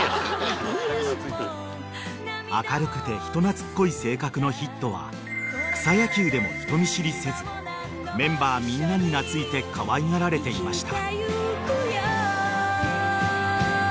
［明るくて人懐っこい性格のヒットは草野球でも人見知りせずメンバーみんなに懐いてかわいがられていました］